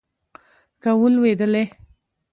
که ولوېدلې